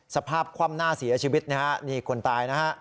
สภาพความน่าเสียชีวิตนี่คนตาย